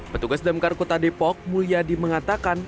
petugas damkar kota depok mulyadi mengatakan